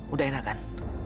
udah enak kan